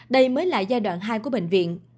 đây mới là giai đoạn hai của bệnh viện